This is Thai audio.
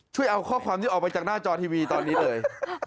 ช่วยเอาข้อความนี้ออกไปจากหน้าจอทีวีตอนนี้เลย